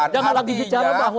jangan lagi bicara bahwa